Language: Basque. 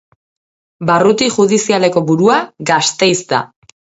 Barruti judizialeko burua Gasteiz da.